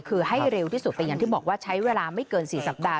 คือให้เร็วที่สุดแต่อย่างที่บอกว่าใช้เวลาไม่เกิน๔สัปดาห